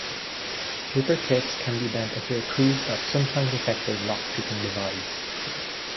Paper clips can be bent into a crude but sometimes effective lock picking device.